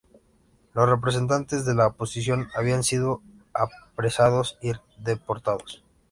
Los representantes de la oposición habían sido apresados y deportados.